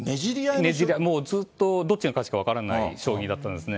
もうずっとどっちが勝つか分からない将棋だったんですね。